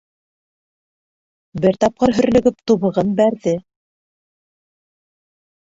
Бер тапҡыр, һөрлөгөп, тубығын бәрҙе.